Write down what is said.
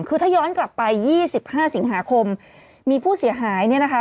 คือถ้าย้อนกลับไป๒๕สิงหาคมมีผู้เสียหายเนี่ยนะคะ